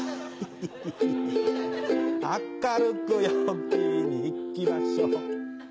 明るく陽気に、いきましょう。